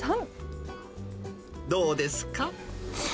どうですか。